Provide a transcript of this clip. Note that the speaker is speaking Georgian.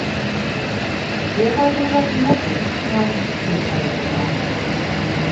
ვერაგულად მოკლეს ხალხის მტრებმა.